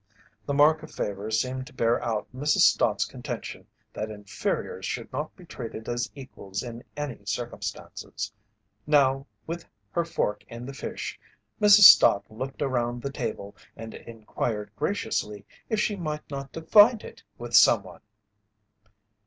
The mark of favour seemed to bear out Mrs. Stott's contention that inferiors should not be treated as equals in any circumstances. Now, with her fork in the fish, Mrs. Stott looked around the table and inquired graciously if she might not divide it with someone?